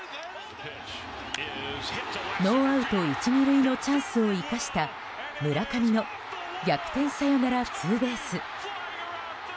ノーアウト１、２塁のチャンスを生かした村上の逆転サヨナラツーベース。